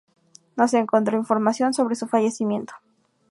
No se encontró información sobre su fallecimiento.